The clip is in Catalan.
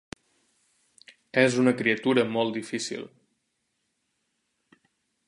És una criatura molt difícil.